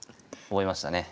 覚えました。